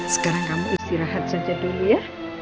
sekarang kamu istirahat saja dulu ya